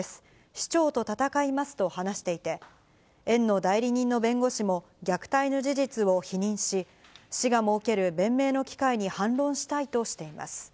市長と戦いますと話していて、園の代理人の弁護士も虐待の事実を否認し、市が設ける弁明の機会